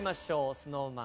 ＳｎｏｗＭａｎ